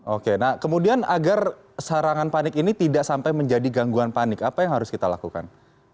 oke nah kemudian agar serangan panik ini tidak sampai menjadi gangguan panik apa yang harus kita lakukan